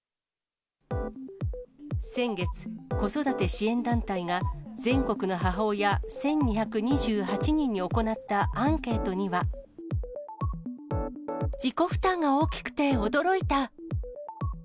先月、子育て支援団体が、全国の母親１２２８人に行ったアンケートには。自己負担が大きくて驚いた。